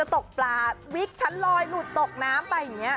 ตกปลาวิกชั้นลอยหลุดตกน้ำไปอย่างนี้